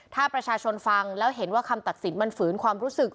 ถ้าประชาชนฟังแล้วเห็นว่าคำตัดสินมันฝืนความรู้สึก